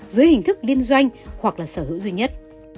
dưới hình thức liên doanh hoặc là sở hữu duy nhất